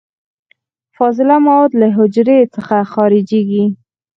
فاضله مواد له حجرې څخه خارجیږي.